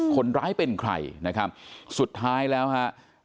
คนร้ายเป็นใครสุดท้ายแล้วค่ะ